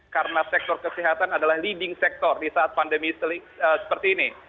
karena sektor kesehatan adalah leading sector di saat pandemi seperti ini